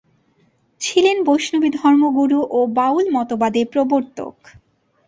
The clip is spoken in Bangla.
ছিলেন বৈষ্ণবী ধর্মগুরু ও বাউল মতবাদের প্রবর্তক।